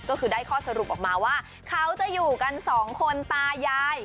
ก็คือได้ข้อสรุปออกมาว่าเขาจะอยู่กันสองคนตายาย